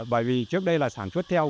bởi vì trước đây là sản xuất theo